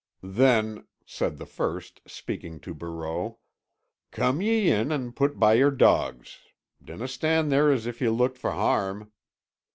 "Then," said the first, speaking to Barreau, "come ye in an' put by your dogs. Dinna stand there as if ye looked for harm."